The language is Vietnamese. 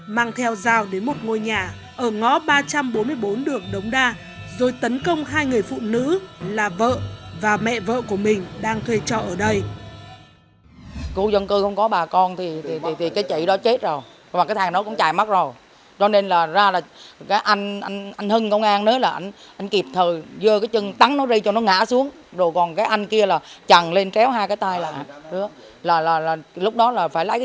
mang theo rào đến một ngôi nhà ở ngõ ba trăm bốn mươi bốn đường đống đa rồi tấn công hai người phụ nữ là vợ